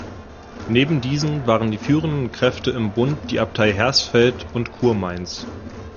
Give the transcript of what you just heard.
Neben diesen waren die führenden Kräfte im Bund die Abtei Hersfeld und Kurmainz.